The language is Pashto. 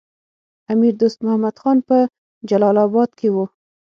امیر دوست محمد خان په جلال اباد کې وو.